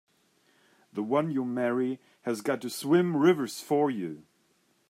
The one you marry has got to swim rivers for you!